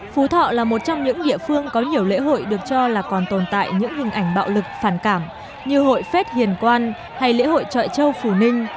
phú thọ là một trong những địa phương có nhiều lễ hội được cho là còn tồn tại những hình ảnh bạo lực phản cảm như hội phết hiền quan hay lễ hội trọi châu phù ninh